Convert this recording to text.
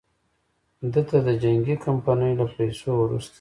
ده ته د جنګي کمپنیو له پیسو وروسته.